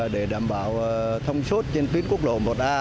để đảm bảo thông suốt trên tuyến quốc lộ một a